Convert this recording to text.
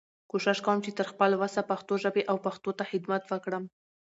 کوشش کوم چې تر خپل وسه پښتو ژبې او پښتنو ته خدمت وکړم.